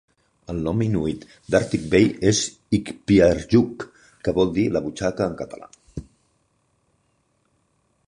El nom inuit d'Arctic Bay és "Ikpiarjuk", que vol dir "la butxaca" en català.